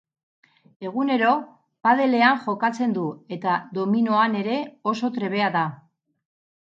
Egunero paddle-ean jokatzen du, eta dominoan ere oso trebea da.